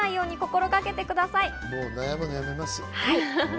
悩むのやめます。